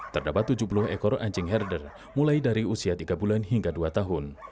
terdapat tujuh puluh ekor anjing herder mulai dari usia tiga bulan hingga dua tahun